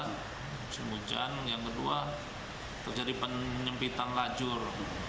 musim hujan yang kedua terjadi penyempitan lajur